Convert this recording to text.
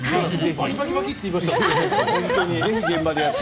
バキバキっていいました。